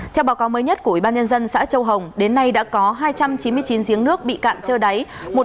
theo báo cáo mới nhất của ubnd xã châu hồng đến nay đã có hai trăm chín mươi chín giếng nước bị cạn trơ đáy